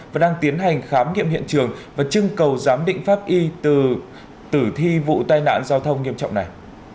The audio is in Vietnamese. và đang tiến hành khám nghiệm hiện trường và chưng cầu giám định pháp y từ thị vụ tai nạn giao thông nghiêm trọng này